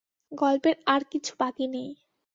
গল্পের আর কিছু বাকি নেই।